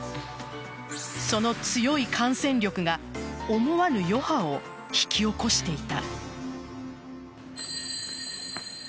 その強い感染力が思わぬ余波を引き起こしていた。